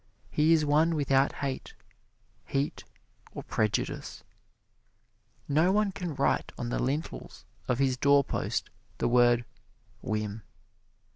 He is one without hate, heat or prejudice. No one can write on the lintels of his doorpost the word, "Whim."